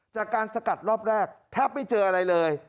จากการสกัดรอบแรกแทบไม่เจออะไรเลย